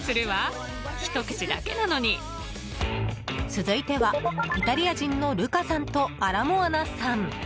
続いては、イタリア人のルカさんと、アラモアナさん。